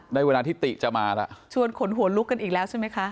ได้เวลาที่ติจะมาแล้วชวนขนหัวลุกกันอีกแล้วใช่ไหมคะ